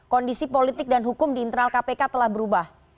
kondisi politik dan hukum di internal kpk telah berubah